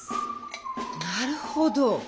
なるほど！